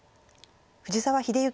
藤沢秀行